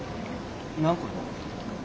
何これ？